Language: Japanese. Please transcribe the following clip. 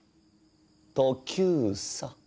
トキューサ。